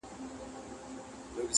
ځي تر اباسینه د کونړ د یکه زار څپې؛